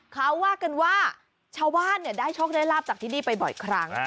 เขาว่ากันว่าชาวบ้านได้โชคได้ลาบจากที่นี่ไปบ่อยครั้ง